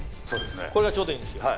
これがちょうどいいんですよ。